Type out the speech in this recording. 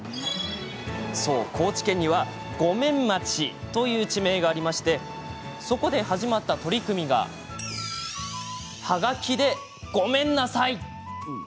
そう、高知県には後免町という地名がありましてそこで始まった取り組みが「ハガキでごめんなさい」。